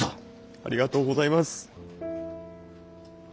ありがとうございます。